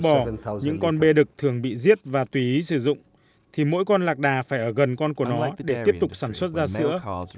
bỏ những con bê đực thường bị giết và tùy ý sử dụng thì mỗi con lạc đà phải ở gần con của nó để tiếp tục sản xuất ra sữa